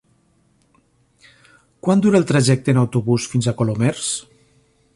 Quant dura el trajecte en autobús fins a Colomers?